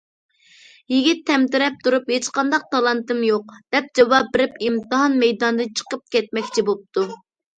يىگىت تەمتىرەپ تۇرۇپ:« ھېچقانداق تالانتىم يوق» دەپ جاۋاب بېرىپ، ئىمتىھان مەيدانىدىن چىقىپ كەتمەكچى بوپتۇ.